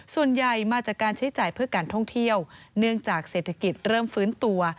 ส่วนใหญ่มาจากการใช้จ่ายเพื่อการท่องเที่ยวเนื่องจากเศรษฐกิจเริ่มฟื้นตัว